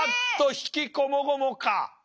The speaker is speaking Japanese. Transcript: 悲喜こもごもか。